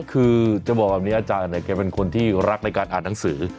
คือจะบอกแบบนี้อาจารย์เนี่ยแกเป็นคนที่รักในการอ่านหนังสือ